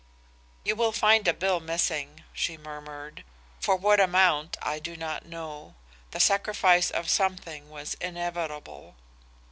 "'You will find a bill missing,' she murmured; 'for what amount I do not know; the sacrifice of something was inevitable.